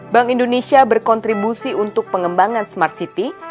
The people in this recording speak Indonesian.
bank indonesia berkontribusi untuk pengembangan smart city